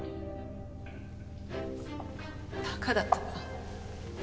バカだったわ。